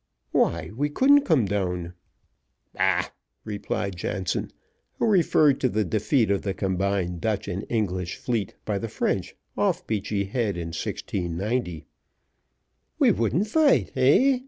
"Why, we couldn't come down." "Bah!" replied Jansen, who referred to the defeat of the combined Dutch and English fleet by the French off Beachy Head in 1690. "We wouldn't fight, heh?"